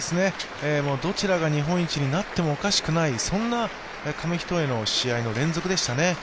どちらが日本一になってもおかしくない、そんな紙一重の試合の連続でしたね。